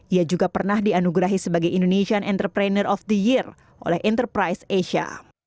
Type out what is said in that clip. ia juga pernah dianugerahi sebagai indonesian entrepreneur of the year oleh enterprise asia